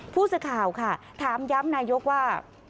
ผู้สื่อข่าวค่ะถามย้ำนายกว่า